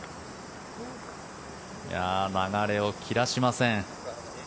流れを切らしません。